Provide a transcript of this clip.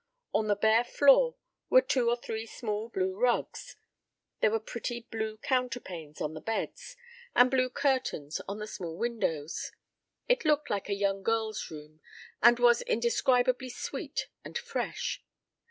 On the bare floor were two or three small blue rugs, there were pretty blue counterpanes on the beds, and blue curtains on the small windows. It looked like a young girl's room and was indescribably sweet and fresh.